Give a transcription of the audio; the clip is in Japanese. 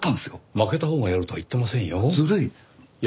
負けたほうがやるとは言ってませんよ。